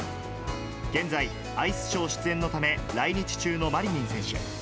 現在、アイスショー出演のため、来日中のマリニン選手。